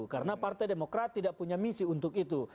karena partai demokrat tidak punya misi untuk itu